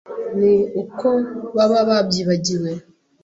ni uko baba babyibagiwe